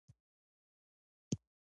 د قربانیو قدر کوي.